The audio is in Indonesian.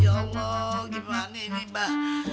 ya allah gimana ini mbak